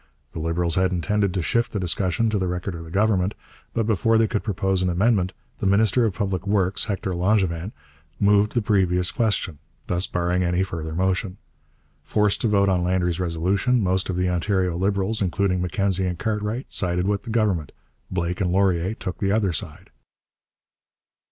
The Liberals had intended to shift the discussion to the record of the Government, but before they could propose an amendment, the minister of Public Works, Hector Langevin, moved the previous question, thus barring any further motion. Forced to vote on Landry's resolution, most of the Ontario Liberals, including Mackenzie and Cartwright, sided with the Government; Blake and Laurier took the other side.